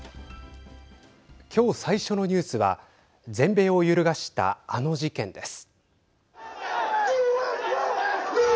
きょう最初のニュースは全米を揺るがしたあの事件です。